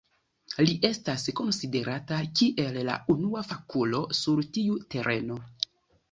Li estas konsiderata kiel la unua fakulo sur tiu tereno.